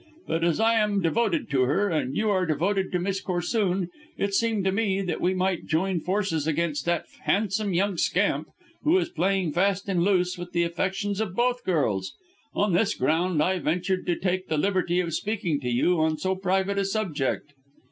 But as I am devoted to her, and you are devoted to Miss Corsoon, it seemed to me that we might join forces against that handsome young scamp, who is playing fast and loose with the affections of both the girls. On this ground, I ventured to take the liberty of speaking to you on so private a subject."